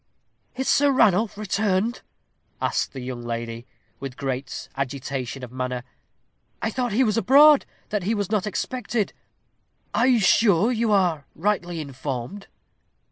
"Is Sir Ranulph returned?" asked the young lady, with great agitation of manner. "I thought he was abroad that he was not expected. Are you sure you are rightly informed?"